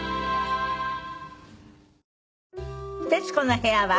『徹子の部屋』は